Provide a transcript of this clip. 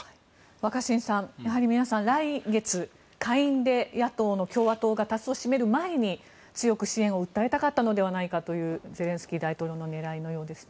若新さんやはり皆さん、来月野党の共和党が多数を占める前に強く支援を訴えたかったのではないかというゼレンスキー大統領の狙いのようですね。